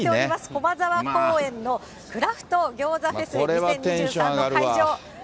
駒沢公園のクラフト餃子フェス２０２３の会場。